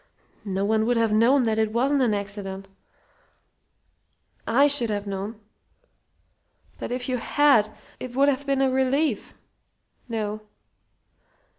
No one would have known that it wasn't an accident " "I should have known." "But if you had, it would have been a relief " "No.